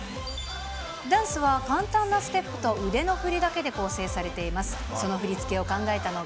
ダンスは簡単なステップと腕の振りだけで構成されています。